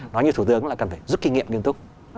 nói như thủ tướng là cần phải rút kinh nghiệm nghiên túc